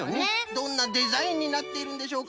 どんなデザインになっているんでしょうか？